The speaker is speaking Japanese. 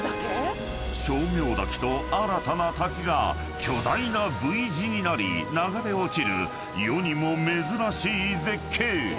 ［称名滝と新たな滝が巨大なＶ字になり流れ落ちる世にも珍しい絶景！］